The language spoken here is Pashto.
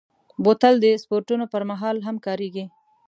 بوتل د سپورټونو پر مهال هم کارېږي.